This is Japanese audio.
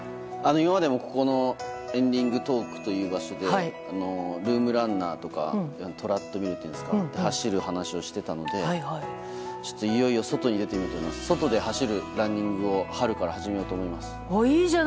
今までもここのエンディングトークという場所でルームランナーとかトラッドミルで走る話をしていたのでいよいよ外で走るランニングを春から始めようと思います。